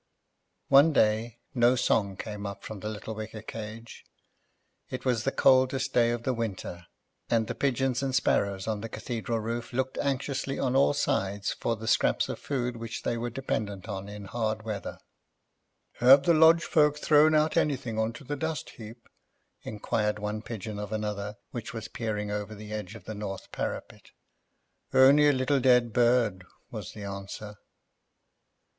One day no song came up from the little wicker cage. It was the coldest day of the winter, and the pigeons and sparrows on the Cathedral roof looked anxiously on all sides for the scraps of food which they were dependent on in hard weather. "Have the lodge folk thrown out anything on to the dust heap?" inquired one pigeon of another which was peering over the edge of the north parapet. "Only a little dead bird," was the answer.